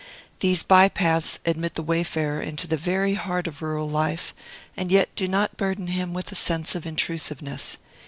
These by paths admit the wayfarer into the very heart of rural life, and yet do not burden him with a sense of intrusiveness.